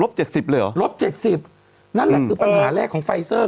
ลบ๗๐เลยเหรอลบ๗๐นั่นแหละคือปัญหาแรกของไฟเซอร์